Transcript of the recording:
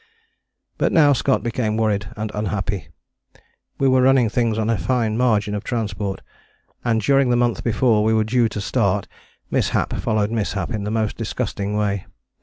But now Scott became worried and unhappy. We were running things on a fine margin of transport, and during the month before we were due to start mishap followed mishap in the most disgusting way.